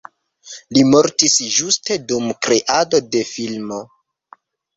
Li mortis ĝuste dum kreado de filmo.